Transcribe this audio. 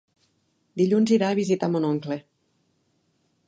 Dilluns irà a visitar mon oncle.